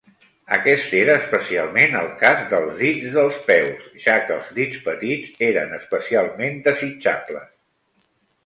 Aquest era especialment el cas dels dits dels peus, ja que els dits petits eren especialment desitjables.